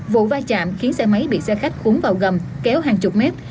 vụ vai trạm khiến xe máy bị xe khách khúng vào gầm kéo hàng chục mét